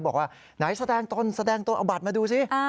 บอกว่าไหนแสดงตนแสดงตนเอาบัตรมาดูสิ